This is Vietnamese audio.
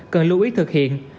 cần lưu ý thực hiện